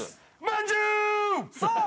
まんじゅう！